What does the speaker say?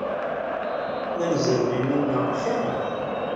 Ma nezreb iman-nneɣ axir-aɣ.